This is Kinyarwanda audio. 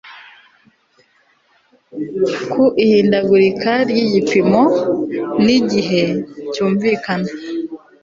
ku ihindagurika ry ibipimo n igihe cyumvikana